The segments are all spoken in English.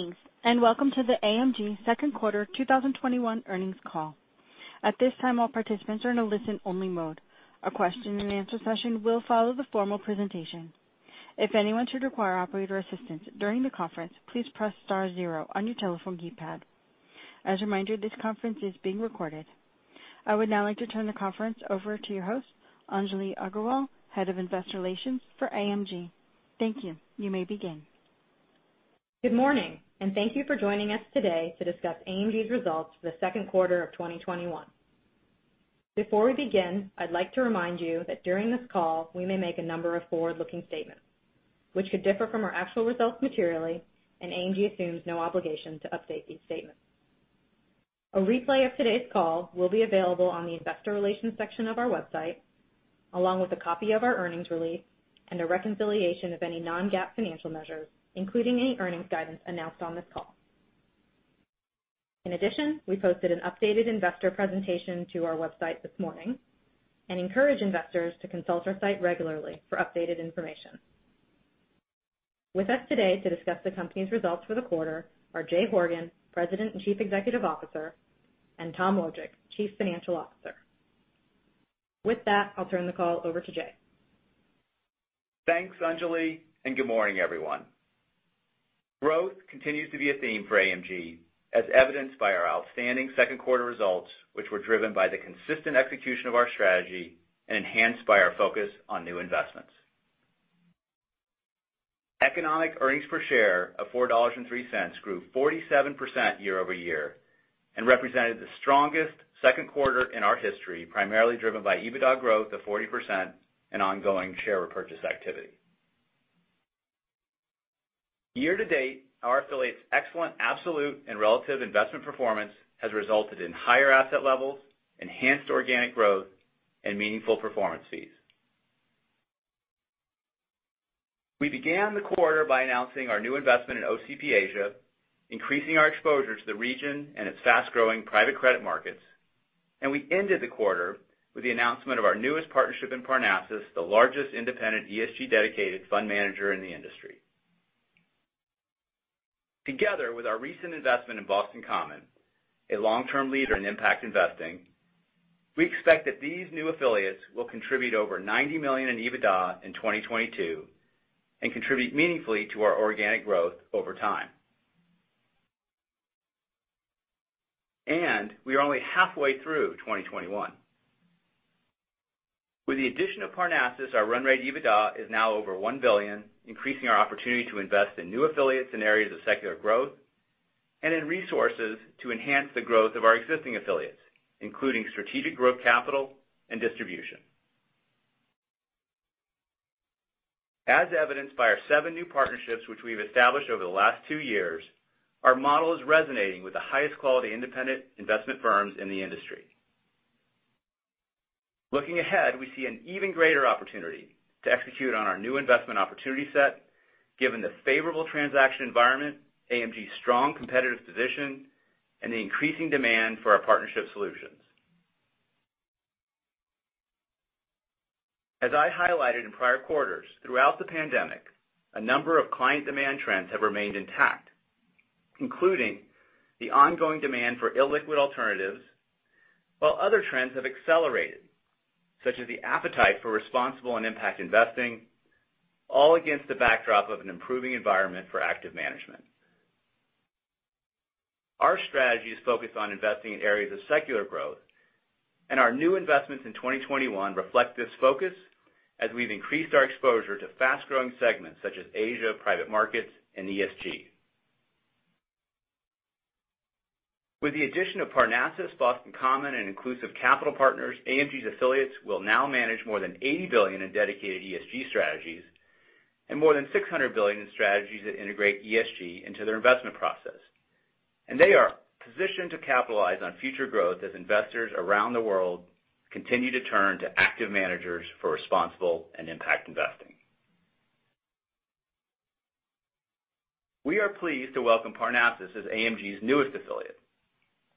Greetings, and welcome to the AMG second quarter 2021 earnings call. At this time, all participants are in a listen-only mode. A question and answer session will follow the formal presentation. If anyone should require operator assistance during the conference, please press star zero on your telephone keypad. As a reminder, this conference is being recorded. I would now like to turn the conference over to your host, Anjali Aggarwal, Head of Investor Relations for AMG. Thank you. You may begin. Good morning, and thank you for joining us today to discuss AMG's results for the second quarter of 2021. Before we begin, I'd like to remind you that during this call, we may make a number of forward-looking statements, which could differ from our actual results materially, and AMG assumes no obligation to update these statements. A replay of today's call will be available on the investor relations section of our website, along with a copy of our earnings release and a reconciliation of any non-GAAP financial measures, including any earnings guidance announced on this call. In addition, we posted an updated investor presentation to our website this morning and encourage investors to consult our site regularly for updated information. With us today to discuss the company's results for the quarter are Jay Horgen, President and Chief Executive Officer, and Tom Wojcik, Chief Financial Officer. With that, I'll turn the call over to Jay. Thanks, Anjali. Good morning, everyone. Growth continues to be a theme for AMG, as evidenced by our outstanding second quarter results, which were driven by the consistent execution of our strategy and enhanced by our focus on new investments. Economic earnings per share of $4.03 grew 47% year-over-year and represented the strongest second quarter in our history, primarily driven by EBITDA growth of 40% and ongoing share repurchase activity. Year to date, our affiliates' excellent absolute and relative investment performance has resulted in higher asset levels, enhanced organic growth, and meaningful performance fees. We began the quarter by announcing our new investment in OCP Asia, increasing our exposure to the region and its fast-growing private credit markets, and we ended the quarter with the announcement of our newest partnership in Parnassus, the largest independent ESG-dedicated fund manager in the industry. Together with our recent investment in Boston Common, a long-term leader in impact investing, we expect that these new affiliates will contribute over $90 million in EBITDA in 2022 and contribute meaningfully to our organic growth over time. We are only halfway through 2021. With the addition of Parnassus, our run rate EBITDA is now over $1 billion, increasing our opportunity to invest in new affiliates in areas of secular growth and in resources to enhance the growth of our existing affiliates, including strategic growth capital and distribution. As evidenced by our seven new partnerships which we've established over the last two years, our model is resonating with the highest quality independent investment firms in the industry. Looking ahead, we see an even greater opportunity to execute on our new investment opportunity set, given the favorable transaction environment, AMG's strong competitive position, and the increasing demand for our partnership solutions. As I highlighted in prior quarters, throughout the pandemic, a number of client demand trends have remained intact, including the ongoing demand for illiquid alternatives, while other trends have accelerated, such as the appetite for responsible and impact investing, all against the backdrop of an improving environment for active management. Our strategy is focused on investing in areas of secular growth, and our new investments in 2021 reflect this focus as we've increased our exposure to fast-growing segments such as Asia, private markets, and ESG. With the addition of Parnassus, Boston Common, and Inclusive Capital Partners, AMG's affiliates will now manage more than $80 billion in dedicated ESG strategies and more than $600 billion in strategies that integrate ESG into their investment process. They are positioned to capitalize on future growth as investors around the world continue to turn to active managers for responsible and impact investing. We are pleased to welcome Parnassus as AMG's newest affiliate.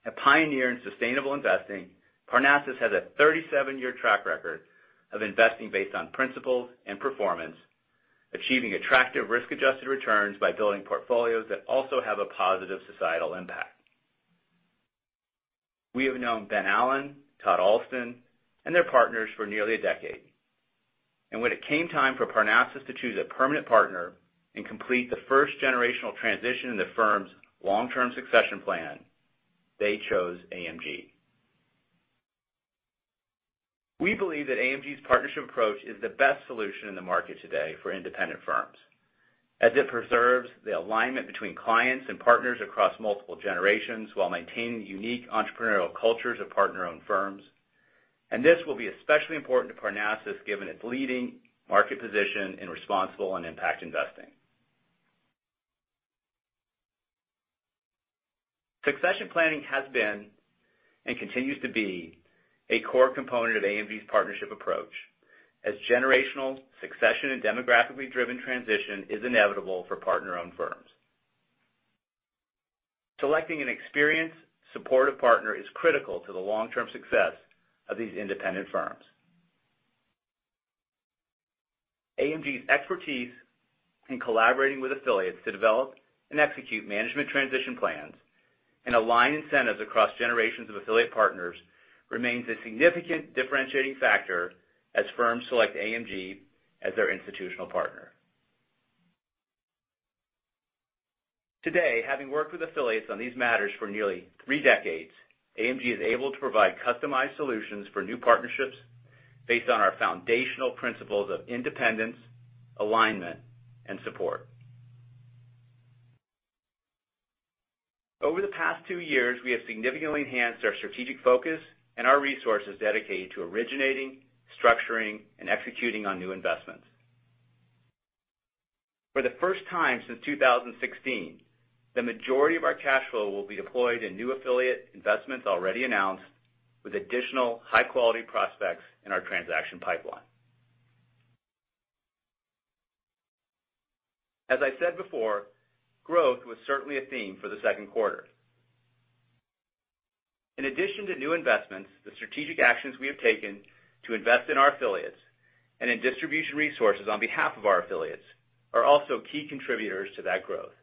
A pioneer in sustainable investing, Parnassus has a 37-year track record of investing based on principles and performance, achieving attractive risk-adjusted returns by building portfolios that also have a positive societal impact. We have known Ben Allen, Todd Ahlsten, and their partners for nearly a decade. When it came time for Parnassus to choose a permanent partner and complete the first generational transition in the firm's long-term succession plan, they chose AMG. We believe that AMG's partnership approach is the best solution in the market today for independent firms, as it preserves the alignment between clients and partners across multiple generations while maintaining the unique entrepreneurial cultures of partner-owned firms. This will be especially important to Parnassus given its leading market position in responsible and impact investing. Succession planning has been, and continues to be, a core component of AMG's partnership approach, as generational succession and demographically driven transition is inevitable for partner-owned firms. Selecting an experienced, supportive partner is critical to the long-term success of these independent firms. AMG's expertise in collaborating with affiliates to develop and execute management transition plans and align incentives across generations of affiliate partners remains a significant differentiating factor as firms select AMG as their institutional partner. Today, having worked with affiliates on these matters for nearly three decades, AMG is able to provide customized solutions for new partnerships based on our foundational principles of independence, alignment, and support. Over the past two years, we have significantly enhanced our strategic focus and our resources dedicated to originating, structuring, and executing on new investments. For the first time since 2016, the majority of our cash flow will be deployed in new affiliate investments already announced, with additional high-quality prospects in our transaction pipeline. As I said before, growth was certainly a theme for the second quarter. In addition to new investments, the strategic actions we have taken to invest in our affiliates and in distribution resources on behalf of our affiliates are also key contributors to that growth.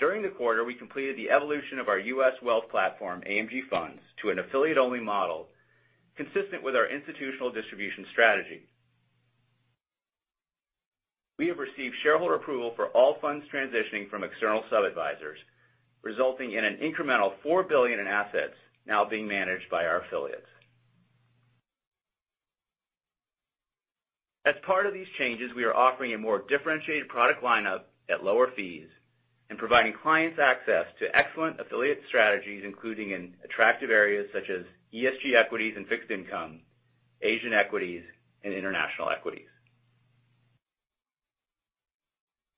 During the quarter, we completed the evolution of our U.S. wealth platform, AMG Funds, to an affiliate-only model consistent with our institutional distribution strategy. We have received shareholder approval for all funds transitioning from external sub-advisers, resulting in an incremental $4 billion in assets now being managed by our affiliates. As part of these changes, we are offering a more differentiated product lineup at lower fees and providing clients access to excellent affiliate strategies, including in attractive areas such as ESG equities and fixed income, Asian equities, and international equities.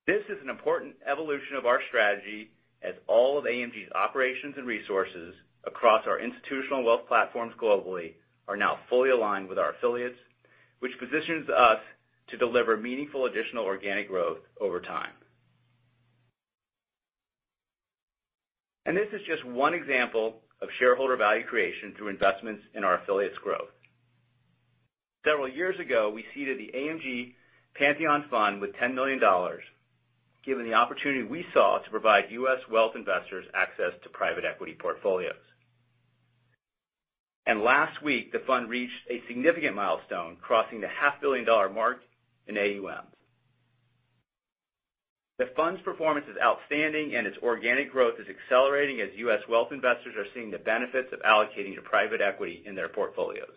This is an important evolution of our strategy as all of AMG's operations and resources across our institutional wealth platforms globally are now fully aligned with our affiliates, which positions us to deliver meaningful additional organic growth over time. This is just one example of shareholder value creation through investments in our affiliates' growth. Several years ago, we seeded the AMG Pantheon Fund with $10 million, given the opportunity we saw to provide U.S. wealth investors access to private equity portfolios. Last week, the fund reached a significant milestone, crossing the half-billion-dollar mark in AUM. The fund's performance is outstanding, and its organic growth is accelerating as U.S. wealth investors are seeing the benefits of allocating to private equity in their portfolios.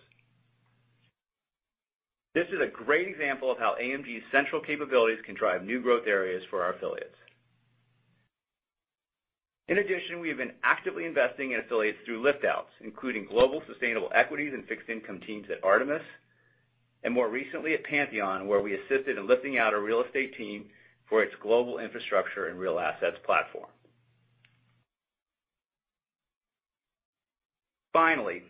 This is a great example of how AMG's central capabilities can drive new growth areas for our affiliates. In addition, we have been actively investing in affiliates through lift-outs, including global sustainable equities and fixed income teams at Artemis, and more recently at Pantheon, where we assisted in lifting out a real estate team for its global infrastructure and real assets platform. Finally,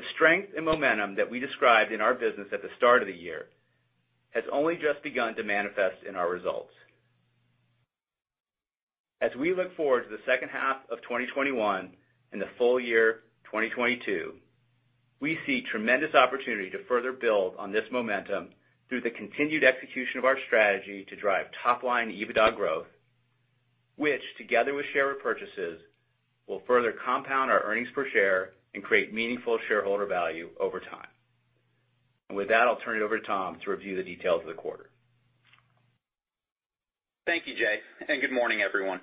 the strength and momentum that we described in our business at the start of the year has only just begun to manifest in our results. As we look forward to the second half of 2021 and the full year 2022, we see tremendous opportunity to further build on this momentum through the continued execution of our strategy to drive top-line EBITDA growth, which, together with share repurchases, will further compound our earnings per share and create meaningful shareholder value over time. With that, I'll turn it over to Tom to review the details of the quarter. Thank you, Jay, good morning, everyone.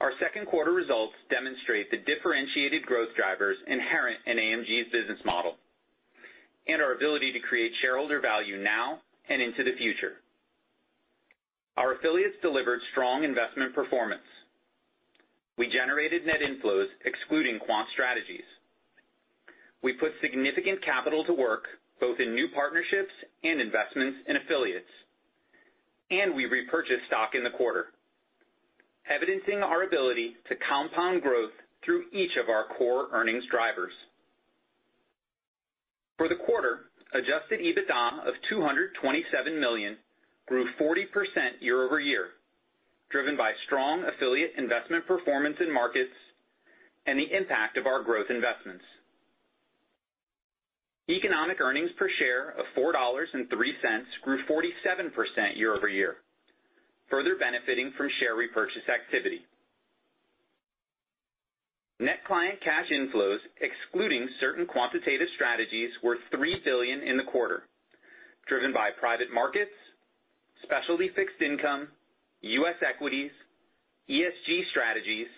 Our second quarter results demonstrate the differentiated growth drivers inherent in AMG's business model and our ability to create shareholder value now and into the future. Our affiliates delivered strong investment performance. We generated net inflows excluding quant strategies. We put significant capital to work, both in new partnerships and investments in affiliates. We repurchased stock in the quarter, evidencing our ability to compound growth through each of our core earnings drivers. For the quarter, adjusted EBITDA of $227 million grew 40% year-over-year, driven by strong affiliate investment performance in markets and the impact of our growth investments. Economic earnings per share of $4.03 grew 47% year-over-year, further benefiting from share repurchase activity. Net client cash inflows, excluding certain quantitative strategies, were $3 billion in the quarter, driven by private markets, specialty fixed income, U.S. equities, ESG strategies,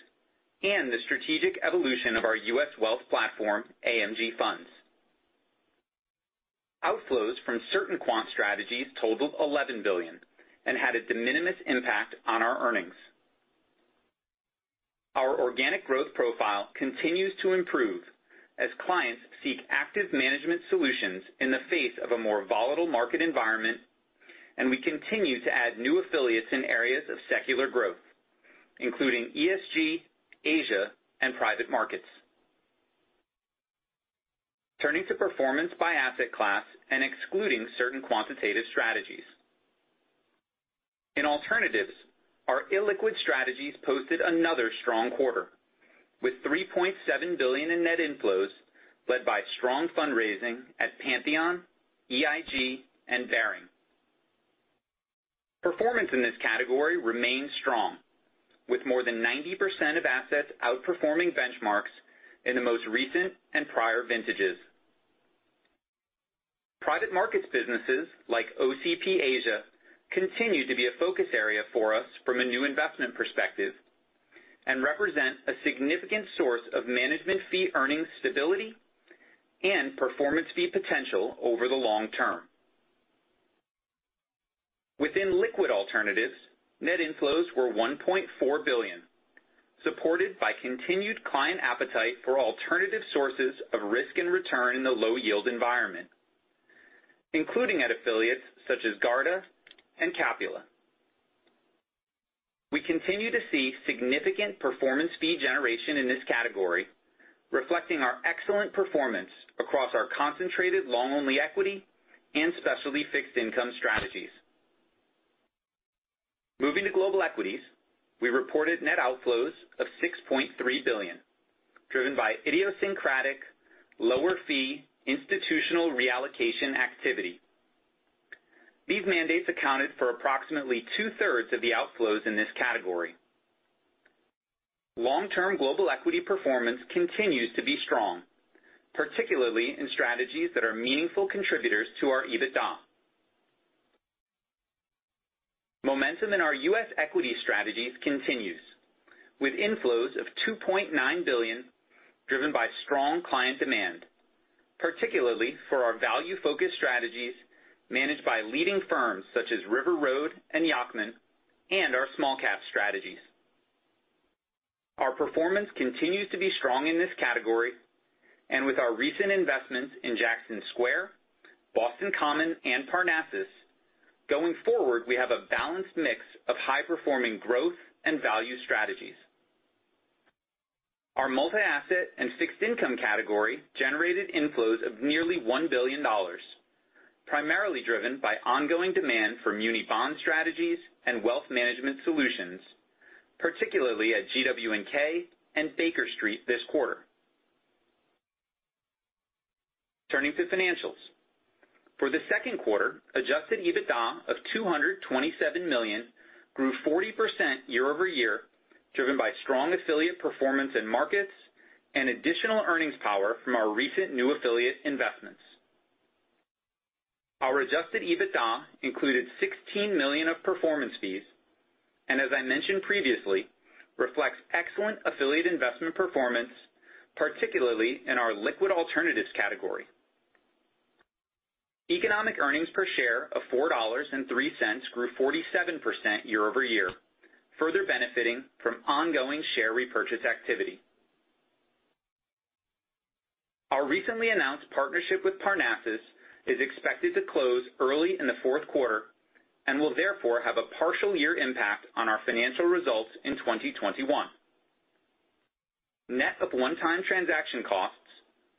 and the strategic evolution of our U.S. wealth platform, AMG Funds. Outflows from certain quant strategies totaled $11 billion and had a de minimis impact on our earnings. Our organic growth profile continues to improve as clients seek active management solutions in the face of a more volatile market environment, and we continue to add new affiliates in areas of secular growth, including ESG, Asia, and private markets. Turning to performance by asset class and excluding certain quantitative strategies. In alternatives, our illiquid strategies posted another strong quarter with $3.7 billion in net inflows, led by strong fundraising at Pantheon, EIG and Baring. Performance in this category remains strong, with more than 90% of assets outperforming benchmarks in the most recent and prior vintages. Private markets businesses like OCP Asia, continue to be a focus area for us from a new investment perspective, and represent a significant source of management fee-earning stability and performance fee potential over the long term. Within liquid alternatives, net inflows were $1.4 billion, supported by continued client appetite for alternative sources of risk and return in the low yield environment, including at affiliates such as Garda and Capula. We continue to see significant performance fee generation in this category, reflecting our excellent performance across our concentrated long-only equity and specialty fixed income strategies. Moving to global equities, we reported net outflows of $6.3 billion, driven by idiosyncratic lower fee institutional reallocation activity. These mandates accounted for approximately two-thirds of the outflows in this category. Long-term global equity performance continues to be strong, particularly in strategies that are meaningful contributors to our EBITDA. Momentum in our U.S. equity strategies continues, with inflows of $2.9 billion driven by strong client demand, particularly for our value-focused strategies managed by leading firms such as River Road and Yacktman, and our small-cap strategies. Our performance continues to be strong in this category. With our recent investments in Jackson Square, Boston Common, and Parnassus, going forward, we have a balanced mix of high-performing growth and value strategies. Our multi-asset and fixed income category generated inflows of nearly $1 billion, primarily driven by ongoing demand for muni bond strategies and wealth management solutions, particularly at GW&K and Baker Street this quarter. Turning to financials. For the second quarter, adjusted EBITDA of $227 million grew 40% year-over-year, driven by strong affiliate performance in markets and additional earnings power from our recent new affiliate investments. Our adjusted EBITDA included $16 million of performance fees and as I mentioned previously, reflects excellent affiliate investment performance, particularly in our liquid alternatives category. Economic earnings per share of $4.03 grew 47% year-over-year, further benefiting from ongoing share repurchase activity. Our recently announced partnership with Parnassus is expected to close early in the fourth quarter and will therefore have a partial year impact on our financial results in 2021. Net of one-time transaction costs,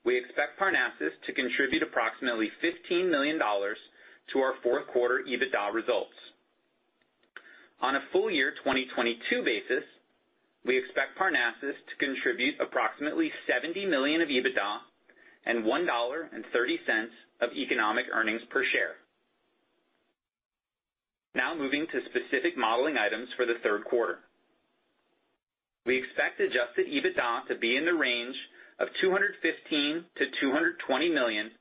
we expect Parnassus to contribute approximately $15 million to our fourth quarter EBITDA results. On a full year 2022 basis, we expect Parnassus to contribute approximately $70 million of EBITDA and $1.30 of economic earnings per share. Moving to specific modeling items for the third quarter. We expect adjusted EBITDA to be in the range of $215 million-$220 million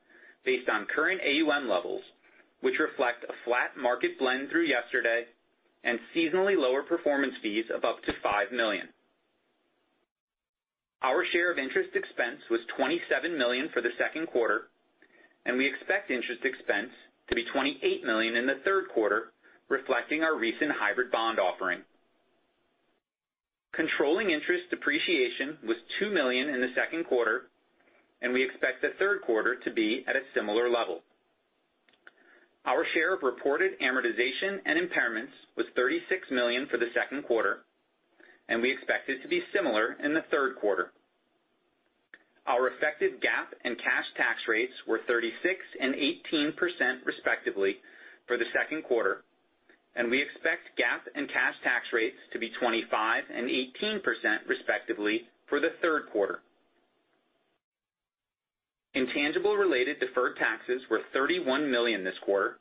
based on current AUM levels, which reflect a flat market blend through yesterday and seasonally lower performance fees of up to $5 million. Our share of interest expense was $27 million for the second quarter, and we expect interest expense to be $28 million in the third quarter, reflecting our recent hybrid bond offering. Controlling interest depreciation was $2 million in the second quarter, and we expect the third quarter to be at a similar level. Our share of reported amortization and impairments was $36 million for the second quarter, and we expect it to be similar in the third quarter. Our effective GAAP and cash tax rates were 36% and 18%, respectively, for the second quarter, and we expect GAAP and cash tax rates to be 25% and 18%, respectively, for the third quarter. Intangible-related deferred taxes were $31 million this quarter.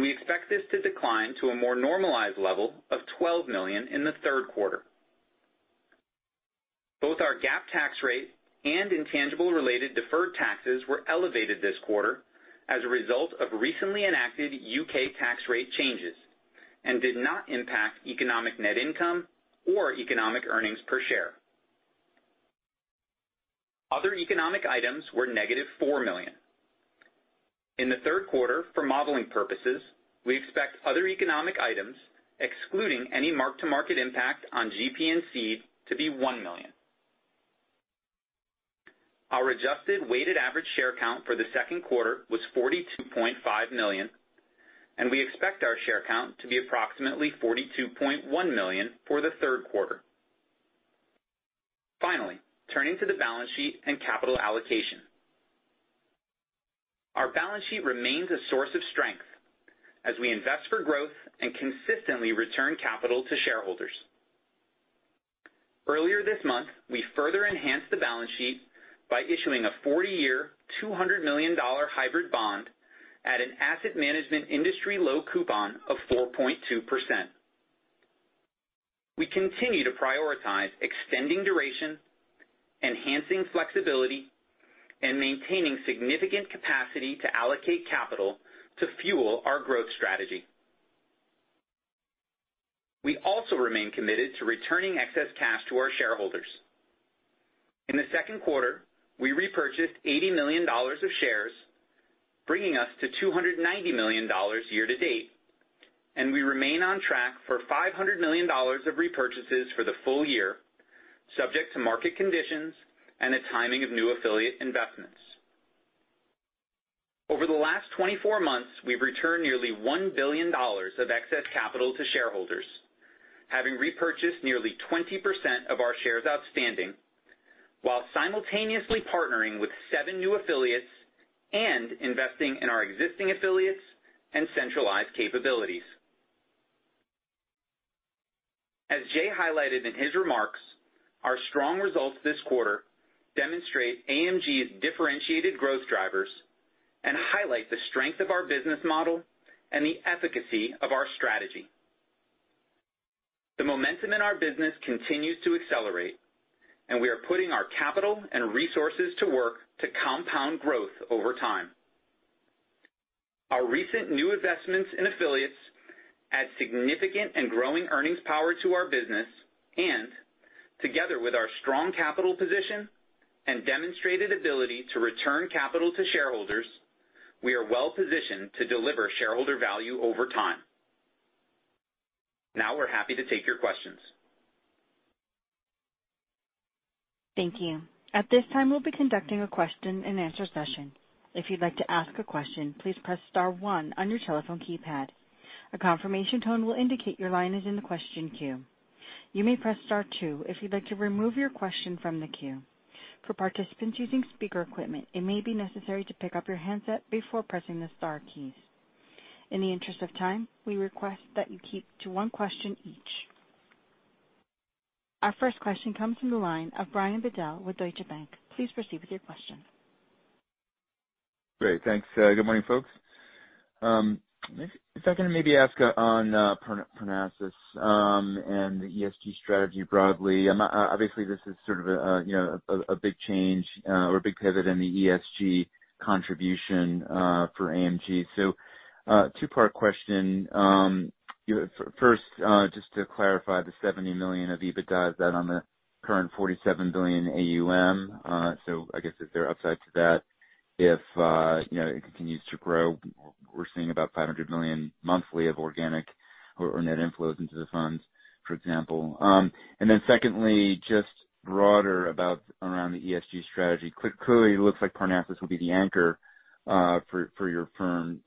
We expect this to decline to a more normalized level of $12 million in the third quarter. Both our GAAP tax rate and intangible-related deferred taxes were elevated this quarter as a result of recently enacted U.K. tax rate changes and did not impact economic net income or economic earnings per share. Other economic items were negative $4 million. In the third quarter, for modeling purposes, we expect other economic items, excluding any mark-to-market impact on GP and seed, to be $1 million. Our adjusted weighted average share count for the second quarter was 42.5 million. We expect our share count to be approximately 42.1 million for the third quarter. Turning to the balance sheet and capital allocation. Our balance sheet remains a source of strength as we invest for growth and consistently return capital to shareholders. Earlier this month, we further enhanced the balance sheet by issuing a 40-year, $200 million hybrid bond at an asset management industry low coupon of 4.2%. We continue to prioritize extending duration, enhancing flexibility, and maintaining significant capacity to allocate capital to fuel our growth strategy. We also remain committed to returning excess cash to our shareholders. In the second quarter, we repurchased $80 million of shares, bringing us to $290 million year to date, and we remain on track for $500 million of repurchases for the full year, subject to market conditions and the timing of new affiliate investments. Over the last 24 months, we've returned nearly $1 billion of excess capital to shareholders, having repurchased nearly 20% of our shares outstanding while simultaneously partnering with seven new affiliates and investing in our existing affiliates and centralized capabilities. As Jay highlighted in his remarks, our strong results this quarter demonstrate AMG's differentiated growth drivers and highlight the strength of our business model and the efficacy of our strategy. The momentum in our business continues to accelerate, and we are putting our capital and resources to work to compound growth over time. Our recent new investments in affiliates add significant and growing earnings power to our business and, together with our strong capital position and demonstrated ability to return capital to shareholders, we are well positioned to deliver shareholder value over time. Now we're happy to take your questions. Thank you. At this time, we'll be conducting a question and answer session. If you'd like to ask a question, please press star one on your telephone keypad. A confirmation tone will indicate your line is in the question queue. You may press star two if you'd like to remove your question from the queue. For participants using speaker equipment, it may be necessary to pick up your handset before pressing the star keys. In the interest of time, we request that you keep to one question each. Our first question comes from the line of Brian Bedell with Deutsche Bank. Please proceed with your question. Great. Thanks. Good morning, folks. If I can maybe ask on Parnassus and the ESG strategy broadly. Obviously, this is sort of a big change or a big pivot in the ESG contribution for AMG. Two-part question. First, just to clarify the $70 million of EBITDA, is that on the current $47 billion AUM? I guess if there are upside to that, if it continues to grow, we're seeing about $500 million monthly of organic or net inflows into the funds, for example. Secondly, just broader around the ESG strategy. Clearly, it looks like Parnassus will be the anchor for your firm.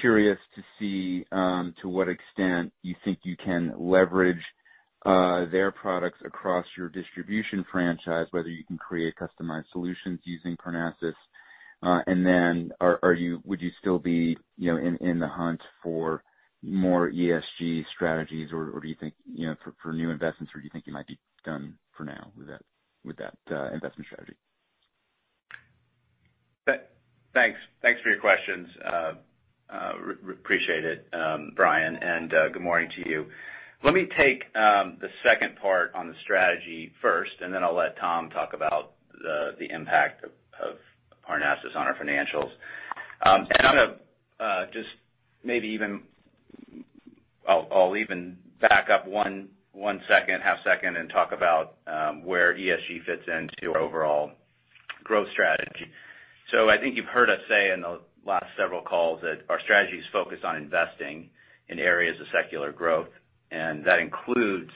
Curious to see to what extent you think you can leverage their products across your distribution franchise, whether you can create customized solutions using Parnassus. Would you still be in the hunt for more ESG strategies or do you think for new investments, or do you think you might be done for now with that investment strategy? Thanks for your questions. Appreciate it, Brian, and good morning to you. Let me take the second part on the strategy first, and then I'll let Tom talk about the impact of Parnassus on our financials. I'll even back up one second, half second, and talk about where ESG fits into our overall growth strategy. I think you've heard us say in the last several calls that our strategy is focused on investing in areas of secular growth, and that includes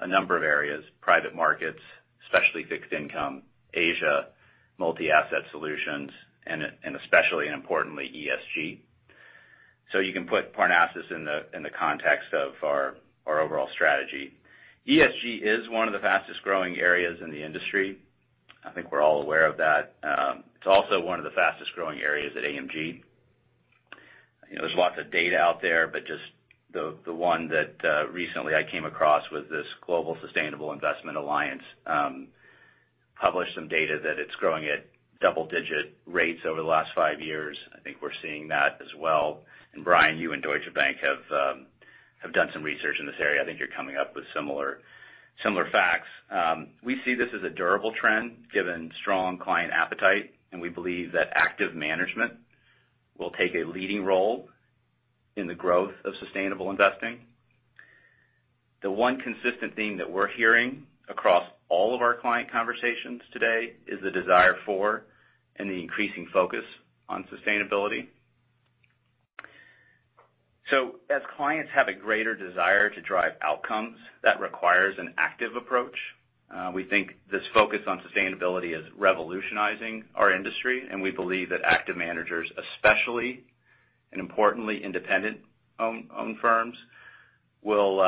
a number of areas, private markets, especially fixed income, Asia, multi-asset solutions, and especially and importantly, ESG. You can put Parnassus in the context of our overall strategy. ESG is one of the fastest-growing areas in the industry. I think we're all aware of that. It's also one of the fastest-growing areas at AMG. There's lots of data out there, but just the one that recently I came across was this Global Sustainable Investment Alliance published some data that it's growing at double-digit rates over the last five years. I think we're seeing that as well. Brian, you and Deutsche Bank have done some research in this area. I think you're coming up with similar facts. We see this as a durable trend, given strong client appetite, and we believe that active management will take a leading role in the growth of sustainable investing. The one consistent thing that we're hearing across all of our client conversations today is the desire for and the increasing focus on sustainability. As clients have a greater desire to drive outcomes, that requires an active approach. We think this focus on sustainability is revolutionizing our industry, we believe that active managers especially and importantly, independent-owned firms will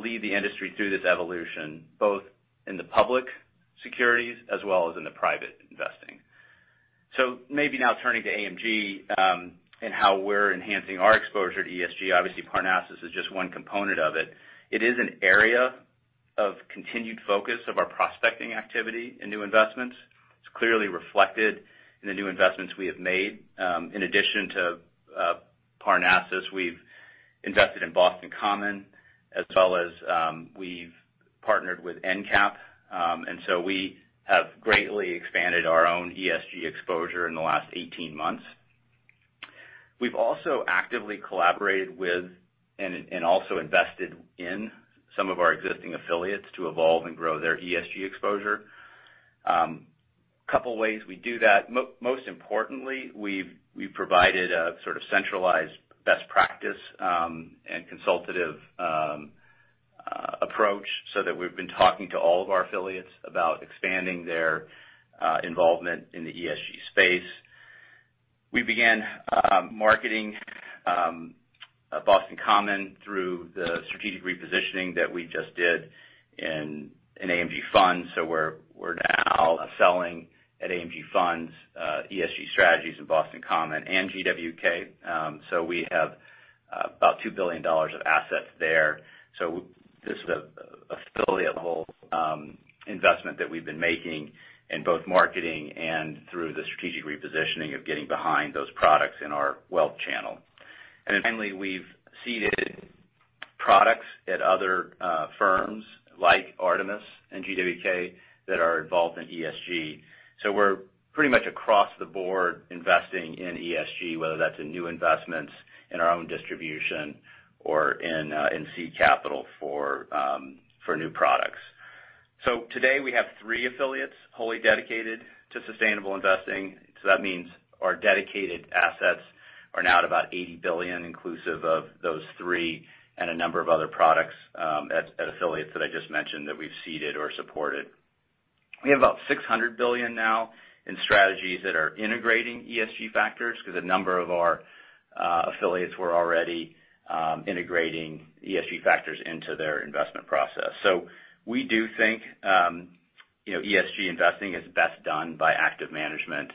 lead the industry through this evolution, both in the public securities as well as in the private investing. Maybe now turning to AMG and how we're enhancing our exposure to ESG. Obviously, Parnassus is just one component of it. It is an area of continued focus of our prospecting activity in new investments. It's clearly reflected in the new investments we have made. In addition to Parnassus, we've invested in Boston Common as well as we've partnered with In-Cap. We have greatly expanded our own ESG exposure in the last 18 months. We've also actively collaborated with and also invested in some of our existing affiliates to evolve and grow their ESG exposure. A couple ways we do that. Most importantly, we've provided a sort of centralized best practice and consultative approach that we've been talking to all of our affiliates about expanding their involvement in the ESG space. We began marketing Boston Common through the strategic repositioning that we just did in AMG Funds. We're now selling at AMG Funds ESG strategies in Boston Common and GW&K. We have about $2 billion of assets there. This is an affiliate level investment that we've been making in both marketing and through the strategic repositioning of getting behind those products in our wealth channel. Finally, we've seeded products at other firms like Artemis and GW&K that are involved in ESG. We're pretty much across the board investing in ESG, whether that's in new investments in our own distribution or in seed capital for new products. Today, we have three affiliates wholly dedicated to sustainable investing. That means our dedicated assets are now at about $80 billion, inclusive of those three and a number of other products at affiliates that I just mentioned that we've seeded or supported. We have about $600 billion now in strategies that are integrating ESG factors because a number of our affiliates were already integrating ESG factors into their investment process. We do think ESG investing is best done by active management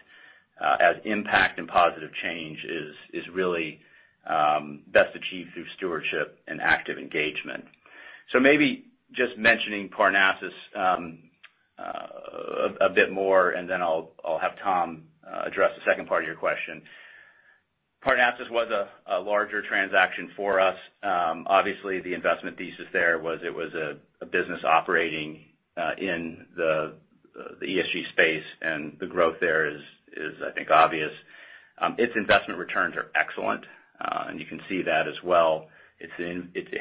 as impact and positive change is really best achieved through stewardship and active engagement. Maybe just mentioning Parnassus a bit more, and then I'll have Tom address the second part of your question. Parnassus was a larger transaction for us. Obviously, the investment thesis there was it was a business operating in the ESG space, and the growth there is I think obvious. Its investment returns are excellent, and you can see that as well. It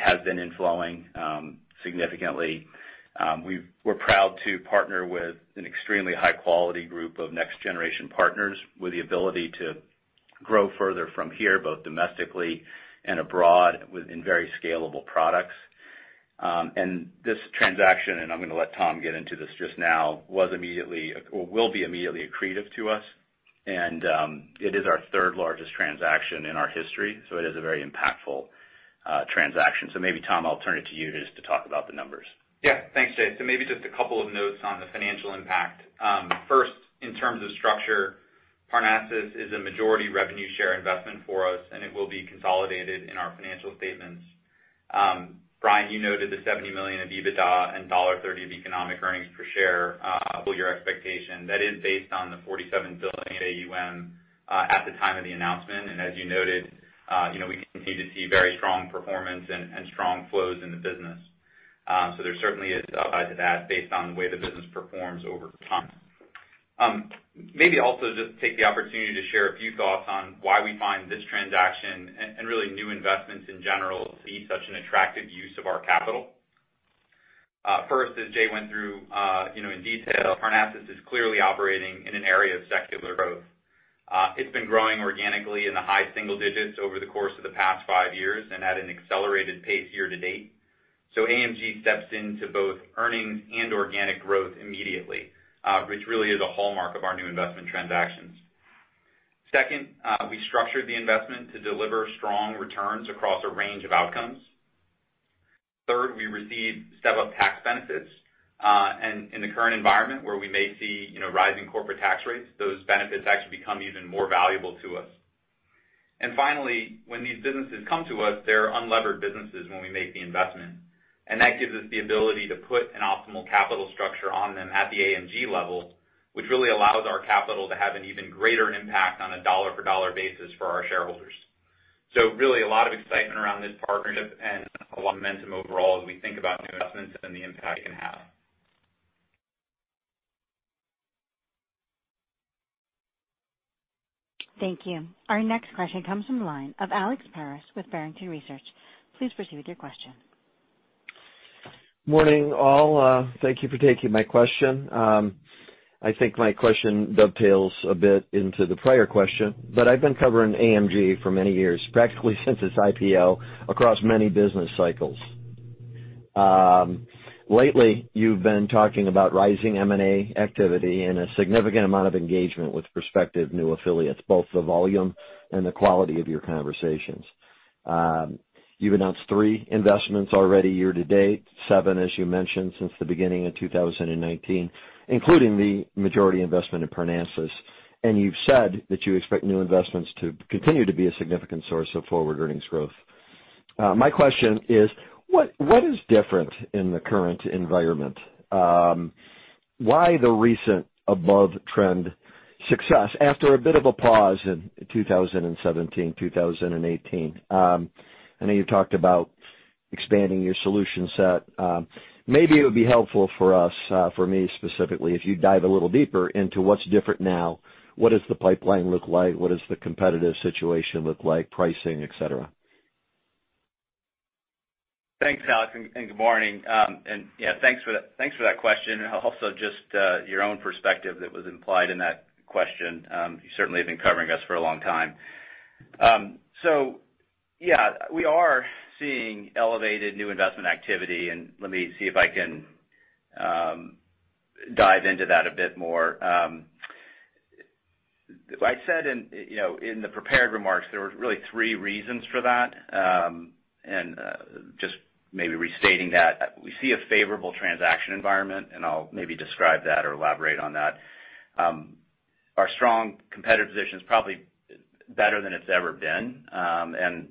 has been inflowing significantly. We're proud to partner with an extremely high-quality group of next-generation partners with the ability to grow further from here, both domestically and abroad in very scalable products. This transaction, and I'm going to let Tom get into this just now, will be immediately accretive to us. It is our third-largest transaction in our history, so it is a very impactful transaction. Maybe Tom, I'll turn it to you just to talk about the numbers. Yeah. Thanks, Jay. Maybe just a couple of notes on the financial impact. First, in terms of structure, Parnassus is a majority revenue share investment for us, and it will be consolidated in our financial statements. Brian, you noted the $70 million of EBITDA and $1.30 of economic earnings per share full year expectation. That is based on the $47 billion AUM at the time of the announcement. As you noted, we continue to see very strong performance and strong flows in the business. There certainly is upside to that based on the way the business performs over time. Maybe also just take the opportunity to share a few thoughts on why we find this transaction, and really new investments in general, to be such an attractive use of our capital. First, as Jay went through in detail, Parnassus is clearly operating in an area of secular growth. It's been growing organically in the high single digits over the course of the past five years and at an accelerated pace year to date. AMG steps into both earnings and organic growth immediately, which really is a hallmark of our new investment transactions. Second, we structured the investment to deliver strong returns across a range of outcomes. Third, we received step-up tax benefits. In the current environment where we may see rising corporate tax rates, those benefits actually become even more valuable to us. Finally, when these businesses come to us, they're unlevered businesses when we make the investment. That gives us the ability to put an optimal capital structure on them at the AMG level, which really allows our capital to have an even greater impact on a dollar-for-dollar basis for our shareholders. Really a lot of excitement around this partnership and a lot of momentum overall as we think about new investments and the impact it can have. Thank you. Our next question comes from the line of Alex Paris with Barrington Research. Please proceed with your question. Morning, all. Thank you for taking my question. I think my question dovetails a bit into the prior question, but I've been covering AMG for many years, practically since its IPO, across many business cycles. Lately, you've been talking about rising M&A activity and a significant amount of engagement with prospective new affiliates, both the volume and the quality of your conversations. You've announced three investments already year to date, seven, as you mentioned, since the beginning of 2019, including the majority investment in Parnassus. You've said that you expect new investments to continue to be a significant source of forward earnings growth. My question is, what is different in the current environment? Why the recent above-trend success after a bit of a pause in 2017, 2018? I know you've talked about expanding your solution set. Maybe it would be helpful for us, for me specifically, if you dive a little deeper into what's different now, what does the pipeline look like, what does the competitive situation look like, pricing, et cetera? Thanks, Alex. Good morning. Yeah, thanks for that question, and also just your own perspective that was implied in that question. You certainly have been covering us for a long time. Yeah, we are seeing elevated new investment activity, and let me see if I can dive into that a bit more. I said in the prepared remarks, there were really three reasons for that. Just maybe restating that. We see a favorable transaction environment, and I'll maybe describe that or elaborate on that. Our strong competitive position is probably better than it's ever been.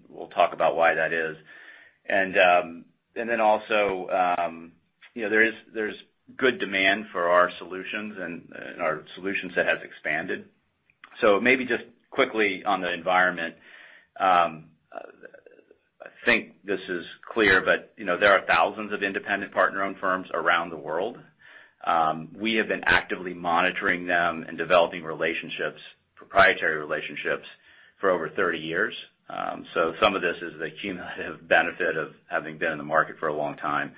We'll talk about why that is. Also, there's good demand for our solutions, and our solution set has expanded. Maybe just quickly on the environment. I think this is clear, but there are thousands of independent partner-owned firms around the world. We have been actively monitoring them and developing relationships, proprietary relationships, for over 30 years. Some of this is the cumulative benefit of having been in the market for a long time.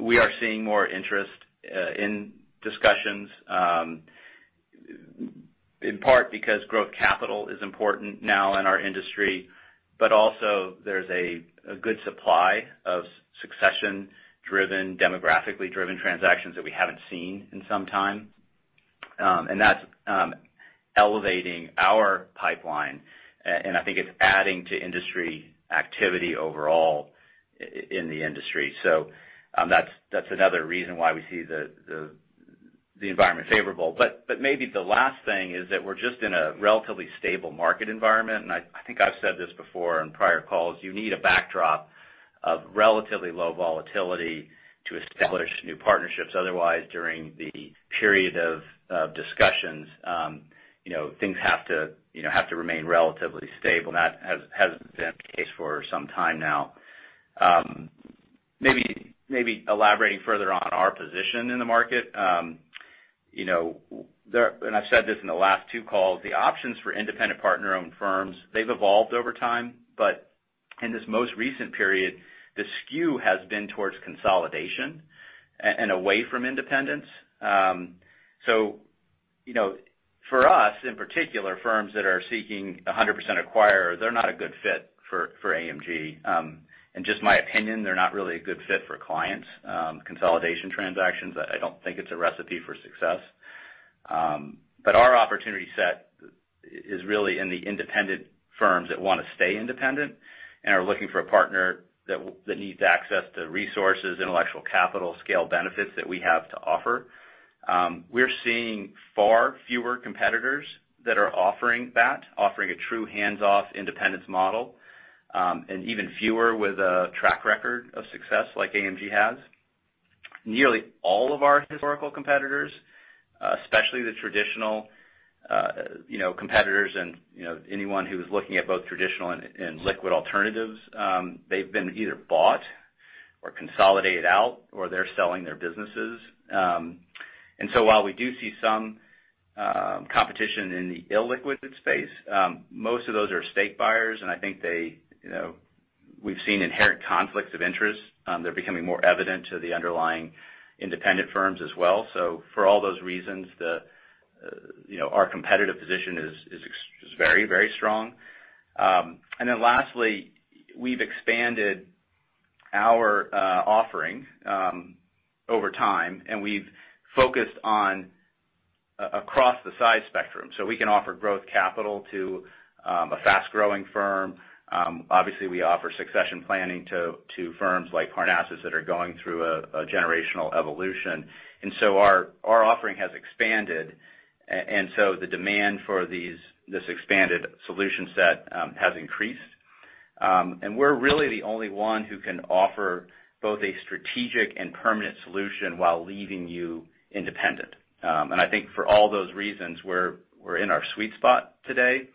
We are seeing more interest in discussions, in part because growth capital is important now in our industry, but also there's a good supply of succession-driven, demographically-driven transactions that we haven't seen in some time. That's elevating our pipeline, and I think it's adding to industry activity overall in the industry. That's another reason why we see the environment favorable. Maybe the last thing is that we're just in a relatively stable market environment. I think I've said this before in prior calls. You need a backdrop of relatively low volatility to establish new partnerships. Otherwise, during the period of discussions, things have to remain relatively stable, and that has been the case for some time now. Maybe elaborating further on our position in the market. I've said this in the last two calls. The options for independent partner-owned firms, they've evolved over time. In this most recent period, the skew has been towards consolidation and away from independence. For us, in particular, firms that are seeking 100% acquirers, they're not a good fit for AMG. Just my opinion, they're not really a good fit for clients. Consolidation transactions, I don't think it's a recipe for success. Our opportunity set is really in the independent firms that want to stay independent and are looking for a partner that needs access to resources, intellectual capital, scale benefits that we have to offer. We're seeing far fewer competitors that are offering that, offering a true hands-off independence model, and even fewer with a track record of success like AMG has. Nearly all of our historical competitors, especially the traditional competitors and anyone who's looking at both traditional and liquid alternatives, they've been either bought or consolidated out, or they're selling their businesses. While we do see some competition in the illiquid space, most of those are stake buyers. I think we've seen inherent conflicts of interest. They're becoming more evident to the underlying independent firms as well. For all those reasons, our competitive position is very strong. Lastly, we've expanded our offering over time, and we've focused on across the size spectrum. We can offer growth capital to a fast-growing firm. Obviously, we offer succession planning to firms like Parnassus that are going through a generational evolution. Our offering has expanded. The demand for this expanded solution set has increased. We're really the only one who can offer both a strategic and permanent solution while leaving you independent. I think for all those reasons, we're in our sweet spot today.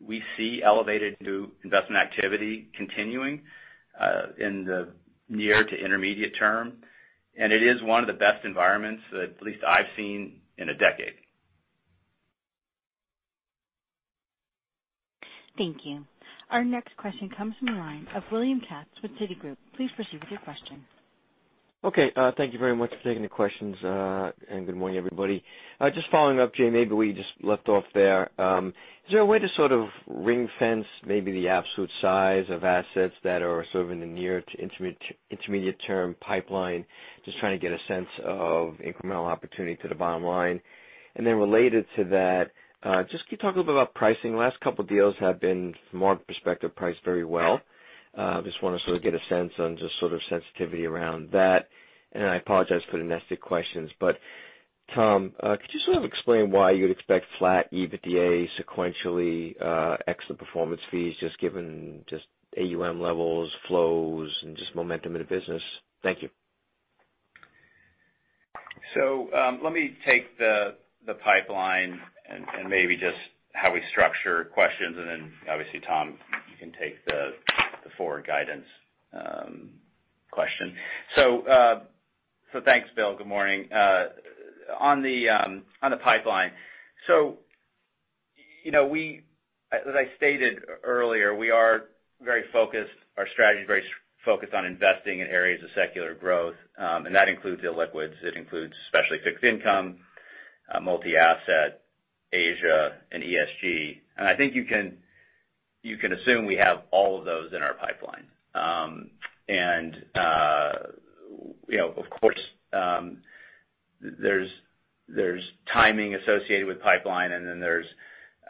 We see elevated new investment activity continuing in the near to intermediate term. It is one of the best environments that at least I've seen in a decade. Thank you. Our next question comes from the line of William Katz with Citigroup. Please proceed with your question. Okay. Thank you very much for taking the questions. Good morning, everybody. Just following up, Jay, maybe where you just left off there. Is there a way to sort of ring-fence maybe the absolute size of assets that are sort of in the near to intermediate term pipeline? Just trying to get a sense of incremental opportunity to the bottom line. Then related to that, just can you talk a little bit about pricing? Last couple deals have been, from our perspective, priced very well. Just want to sort of get a sense on just sort of sensitivity around that. I apologize for the nested questions, Tom, could you sort of explain why you'd expect flat EBITDA sequentially, ex the performance fees, just given AUM levels, flows, and just momentum in the business? Thank you. Let me take the pipeline and maybe just how we structure questions, and then obviously, Tom, you can take the forward guidance question. Thanks, Bill. Good morning. On the pipeline. As I stated earlier, we are very focused. Our strategy is very focused on investing in areas of secular growth, and that includes illiquids. It includes especially fixed income, multi-asset, Asia, and ESG. I think you can assume we have all of those in our pipeline. Of course, there's timing associated with pipeline, and then there's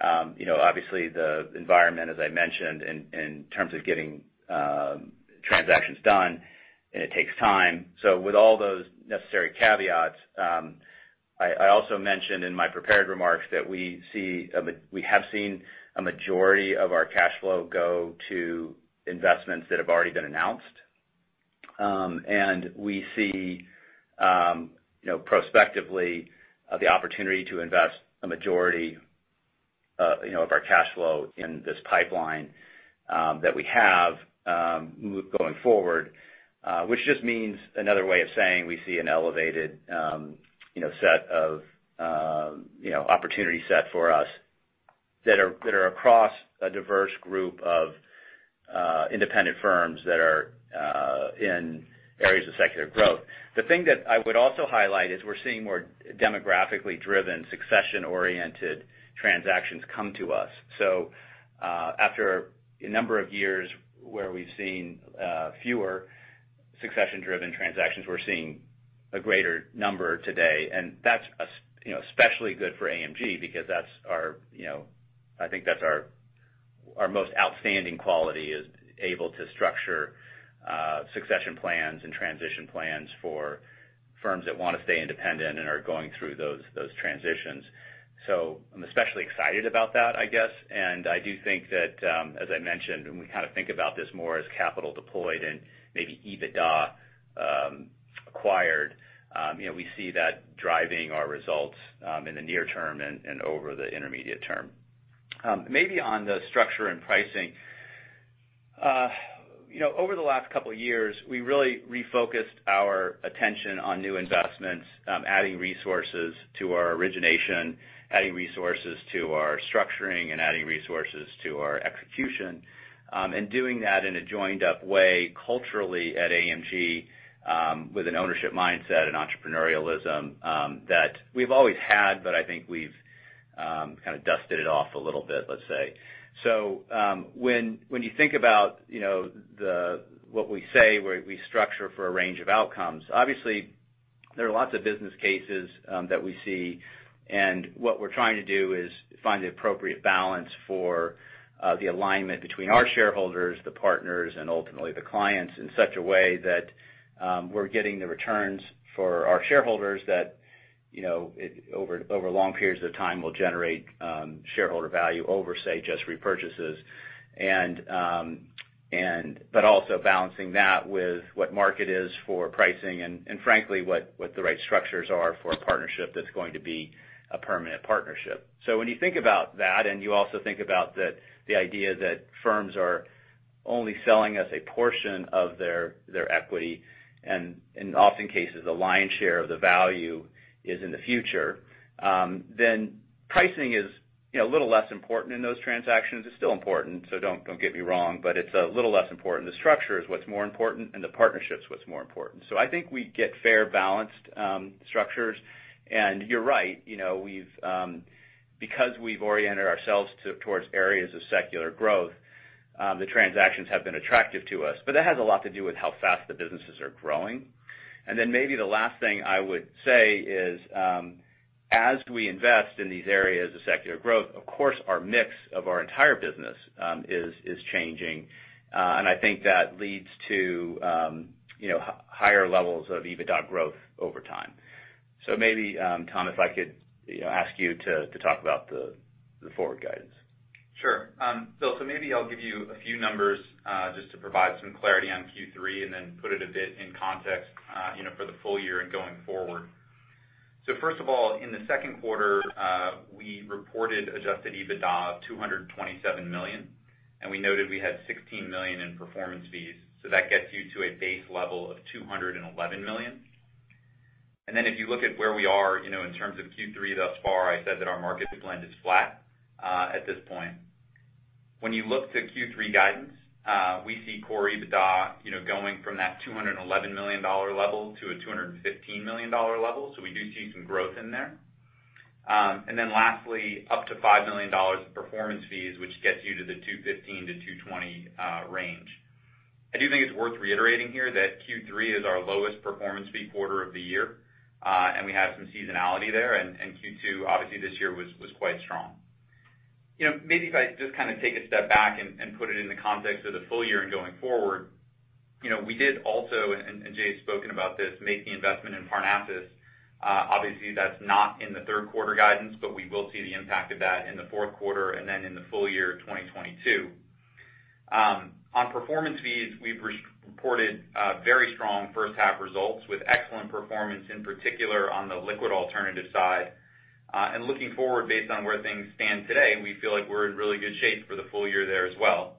obviously the environment, as I mentioned, in terms of getting transactions done, and it takes time. With all those necessary caveats, I also mentioned in my prepared remarks that we have seen a majority of our cash flow go to investments that have already been announced. We see prospectively the opportunity to invest a majority of our cash flow in this pipeline that we have going forward. Which just means another way of saying we see an elevated opportunity set for us that are across a diverse group of independent firms that are in areas of secular growth. The thing that I would also highlight is we're seeing more demographically driven, succession-oriented transactions come to us. After a number of years where we've seen fewer succession-driven transactions, we're seeing a greater number today. That's especially good for AMG because I think that's our most outstanding quality, is able to structure succession plans and transition plans for firms that want to stay independent and are going through those transitions. I'm especially excited about that, I guess. I do think that, as I mentioned, when we kind of think about this more as capital deployed and maybe EBITDA acquired, we see that driving our results in the near term and over the intermediate term. Maybe on the structure and pricing. Over the last couple of years, we really refocused our attention on new investments, adding resources to our origination, adding resources to our structuring, and adding resources to our execution. Doing that in a joined-up way culturally at AMG with an ownership mindset and entrepreneurialism that we've always had, but I think we've kind of dusted it off a little bit, let's say. When you think about what we say, where we structure for a range of outcomes, obviously there are lots of business cases that we see. What we're trying to do is find the appropriate balance for the alignment between our shareholders, the partners, and ultimately the clients in such a way that we're getting the returns for our shareholders that over long periods of time will generate shareholder value over, say, just repurchases. Also balancing that with what market is for pricing and frankly, what the right structures are for a partnership that's going to be a permanent partnership. When you think about that, and you also think about the idea that firms are only selling us a portion of their equity, and in often cases, the lion's share of the value is in the future, then pricing is a little less important in those transactions. It's still important, so don't get me wrong. It's a little less important. The structure is what's more important, and the partnership's what's more important. I think we get fair, balanced structures. You're right, because we've oriented ourselves towards areas of secular growth, the transactions have been attractive to us. That has a lot to do with how fast the businesses are growing. Maybe the last thing I would say is as we invest in these areas of secular growth, of course, our mix of our entire business is changing. I think that leads to higher levels of EBITDA growth over time. Maybe, Tom, if I could ask you to talk about the forward guidance. Sure. Bill, maybe I'll give you a few numbers just to provide some clarity on Q3 and then put it a bit in context for the full year and going forward. First of all, in the second quarter, we reported adjusted EBITDA of $227 million, and we noted we had $16 million in performance fees. That gets you to a base level of $211 million. If you look at where we are in terms of Q3 thus far, I said that our market blend is flat at this point. When you look to Q3 guidance, we see core EBITDA going from that $211 million level to a $215 million level. We do see some growth in there. Lastly, up to $5 million of performance fees, which gets you to the $215 million-$220 million range. I do think it's worth reiterating here that Q3 is our lowest performance fee quarter of the year, and we have some seasonality there, and Q2, obviously, this year was quite strong. Maybe if I just take a step back and put it in the context of the full year and going forward. We did also, and Jay has spoken about this, make the investment in Parnassus. Obviously, that's not in the third quarter guidance, but we will see the impact of that in the fourth quarter and then in the full year of 2022. On performance fees, we've reported very strong first half results with excellent performance, in particular, on the liquid alternative side. Looking forward based on where things stand today, we feel like we're in really good shape for the full year there as well.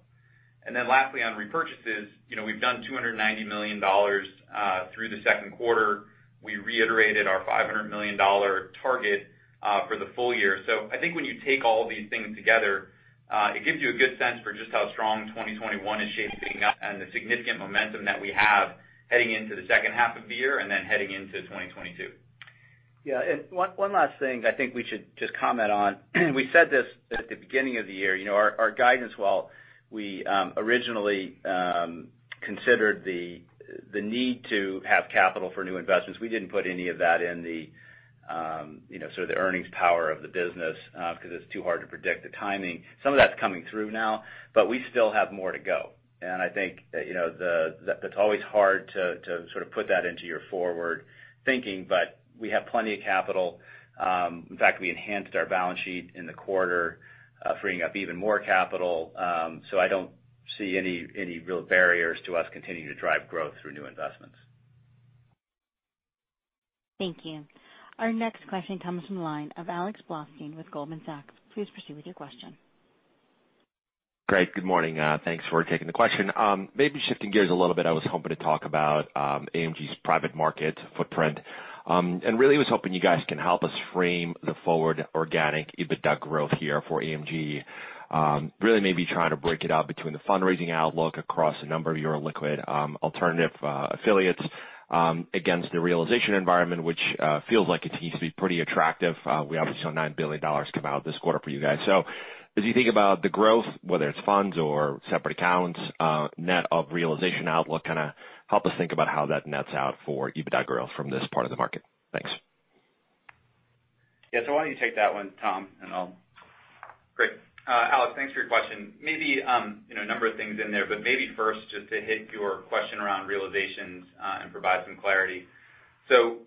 Lastly, on repurchases, we've done $290 million through the second quarter. We reiterated our $500 million target for the full year. I think when you take all of these things together, it gives you a good sense for just how strong 2021 is shaping up and the significant momentum that we have heading into the second half of the year and then heading into 2022. Yeah. One last thing I think we should just comment on. We said this at the beginning of the year. Our guidance, while we originally considered the need to have capital for new investments, we didn't put any of that in the sort of the earnings power of the business because it's too hard to predict the timing. Some of that's coming through now, we still have more to go. I think that it's always hard to sort of put that into your forward thinking, but we have plenty of capital. In fact, we enhanced our balance sheet in the quarter, freeing up even more capital. I don't see any real barriers to us continuing to drive growth through new investments. Thank you. Our next question comes from the line of Alex Blostein with Goldman Sachs. Please proceed with your question. Great. Good morning. Thanks for taking the question. Maybe shifting gears a little bit, I was hoping to talk about AMG's private markets footprint. Really was hoping you guys can help us frame the forward organic EBITDA growth here for AMG. Really maybe trying to break it out between the fundraising outlook across a number of your liquid alternative affiliates against the realization environment, which feels like it continues to be pretty attractive. We obviously saw $9 billion come out this quarter for you guys. As you think about the growth, whether it's funds or separate accounts, net of realization outlook, kind of help us think about how that nets out for EBITDA growth from this part of the market. Thanks. Yeah. Why don't you take that one, Tom, and I'll— Great. Alex, thanks for your question. A number of things in there, but maybe first, just to hit your question around realizations and provide some clarity.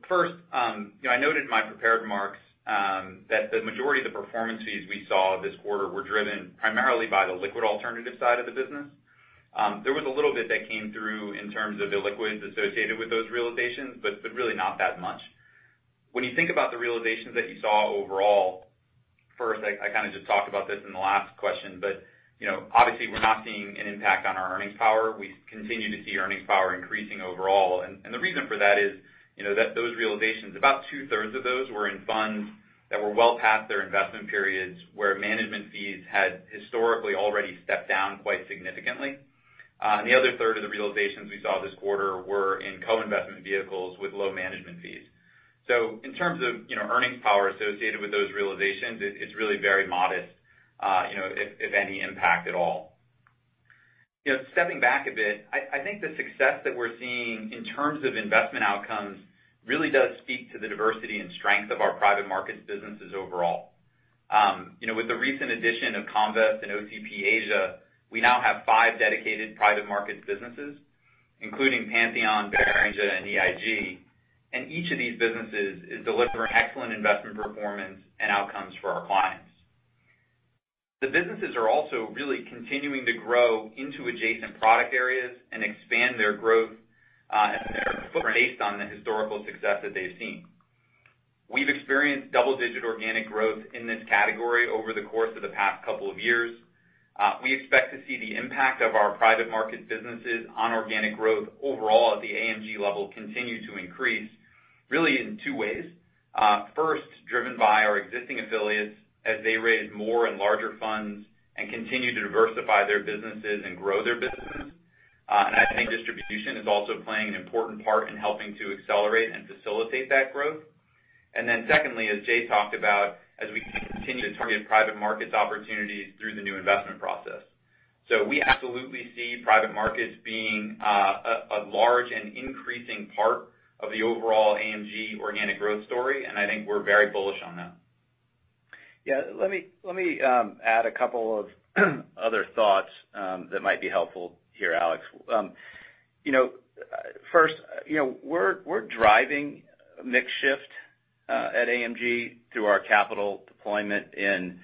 First, I noted in my prepared remarks that the majority of the performance fees we saw this quarter were driven primarily by the liquid alternative side of the business. There was a little bit that came through in terms of illiquids associated with those realizations, but really not that much. When you think about the realizations that you saw overall, first, I kind of just talked about this in the last question, but obviously we're not seeing an impact on our earnings power. We continue to see earnings power increasing overall. The reason for that is that those realizations, about two-thirds of those were in funds that were well past their investment periods, where management fees had historically already stepped down quite significantly. The other third of the realizations we saw this quarter were in co-investment vehicles with low management fees. In terms of earnings power associated with those realizations, it's really very modest, if any impact at all. Stepping back a bit, I think the success that we're seeing in terms of investment outcomes really does speak to the diversity and strength of our private markets businesses overall. With the recent addition of Comvest and OCP Asia, we now have five dedicated private markets businesses, including Pantheon, Baring, and EIG. Each of these businesses is delivering excellent investment performance and outcomes for our clients. The businesses are also really continuing to grow into adjacent product areas and expand their growth based on the historical success that they've seen. We've experienced double-digit organic growth in this category over the course of the past couple of years. We expect to see the impact of our private markets businesses on organic growth overall at the AMG level continue to increase, really in two ways. First, driven by our existing affiliates as they raise more and larger funds and continue to diversify their businesses and grow their businesses. I think distribution is also playing an important part in helping to accelerate and facilitate that growth. Secondly, as Jay talked about, as we continue to target private markets opportunities through the new investment process. We absolutely see private markets being a large and increasing part of the overall AMG organic growth story, and I think we're very bullish on that. Yeah. Let me add a couple of other thoughts that might be helpful here, Alex. First, we're driving mix shift at AMG through our capital deployment in